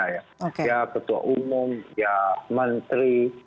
ya ketua umum ya menteri